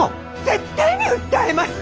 絶対に訴えます！